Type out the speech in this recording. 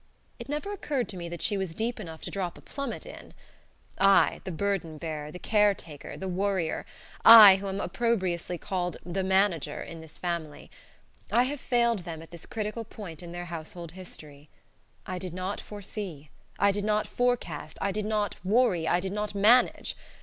It never occurred to me that she was deep enough to drop a plummet in. I, the burden bearer, the caretaker, the worrier; I, who am opprobriously called "the manager" in this family I have failed them at this critical point in their household history. I did not foresee, I did not forecast, I did not worry, I did not manage.